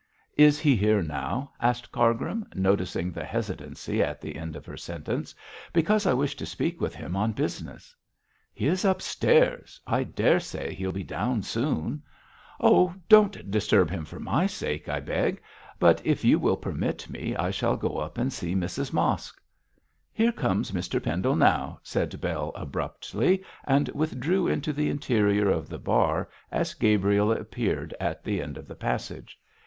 'Is he here now?' asked Cargrim, noticing the hesitancy at the end of her sentence; 'because I wish to speak with him on business.' 'He is upstairs. I daresay he'll be down soon.' 'Oh, don't disturb him for my sake, I beg. But if you will permit me I shall go up and see Mrs Mosk.' 'Here comes Mr Pendle now,' said Bell, abruptly, and withdrew into the interior of the bar as Gabriel appeared at the end of the passage.